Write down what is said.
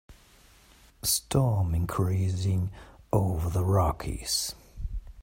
Storm increasing over the Rockies.